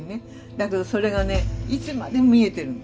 だけどそれがねいつまでも見えてるの。